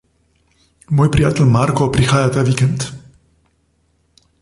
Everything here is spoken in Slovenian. Moj prijatelj Marko prihaja ta vikend.